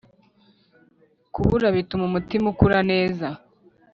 kubura bituma umutima ukura neza.